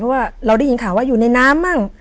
เพราะว่าเราได้ยินข่าวว่าอยู่ในน้ำบ้าง